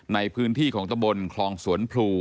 ในพื้นที่ของตะบนคลองสวนพลู